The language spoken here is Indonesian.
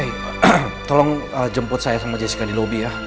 halo eh tolong jemput saya sama jessica di lobby ya